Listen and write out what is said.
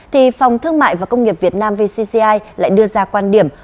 thì phòng thương mại và công nghiệp việt nam vcci lại đưa ra quan điểm